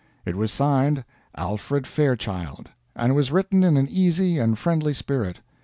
It was signed Alfred Fairchild, and was written in an easy and friendly spirit.